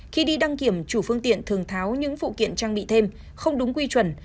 khi đi đăng kiểm chủ phương tiện thường tháo những phụ kiện trang bị thêm không đúng quy chuẩn